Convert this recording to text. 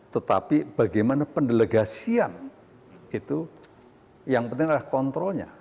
tetapi bagaimana pendelegasian itu yang penting adalah kontrolnya